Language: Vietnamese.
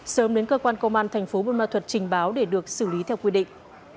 sớm đến cơ quan công an tp bunma thuật trình báo để được xử lý theo quy định